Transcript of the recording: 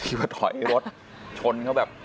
ว่าถอยรถชนเขาแบบ